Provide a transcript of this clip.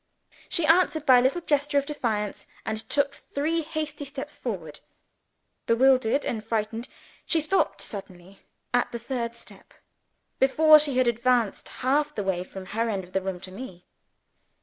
She answered by a little gesture of defiance, and took three hasty steps forward. Bewildered and frightened, she stopped suddenly at the third step before she had advanced half the way from her end of the room to mine.